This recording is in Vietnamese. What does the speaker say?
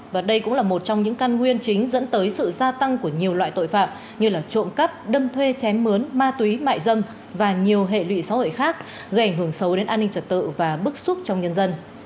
và đây cũng là một trong những căn nguyên chính dẫn tới sự gia tăng của nhiều loại tội phạm như trộm cắp đâm thuê chém mướn ma túy mại dâm và nhiều hệ lụy xã hội khác gây ảnh hưởng sâu đến an ninh trật tự và bức xúc trong nhân dân